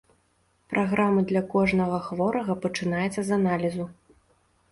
Праграма для кожнага хворага пачынаецца з аналізу.